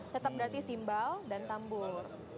tetap berarti simbol dan tambur